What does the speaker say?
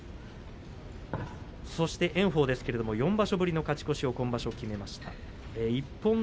炎鵬ですが４場所ぶりの勝ち越しを決めました。